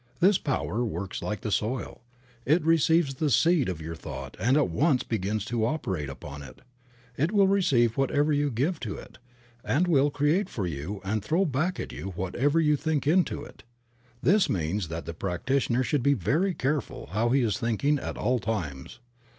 This Power works like the soil; it receives the seed of your thought and at once begins to operate upon it. It will receive whatever you give to it and will create for you and throw back at you whatever you think into it. This means that the practitioner should be very careful how he is thinking at all times.